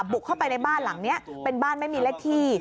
บุกเข้าไปในบ้านหลังนี้เป็นบ้านไม่มีเลขที่